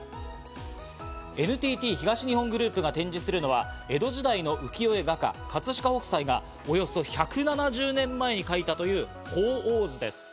ＮＴＴ東日本グループが展示するのは江戸時代の浮世絵画家・葛飾北斎が、およそ１７０年前に描いたという鳳凰図です。